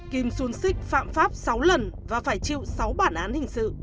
kim xuân xích phạm pháp sáu lần và phải chịu sáu bản án hình sự